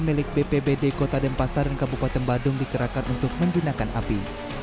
milik bpbd kota denpasar dan kabupaten badung dikerahkan untuk menjinakkan api